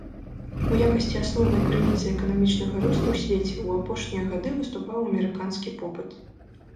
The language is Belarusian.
У якасці асноўнай крыніцы эканамічнага росту ў свеце ў апошнія гады выступаў амерыканскі попыт.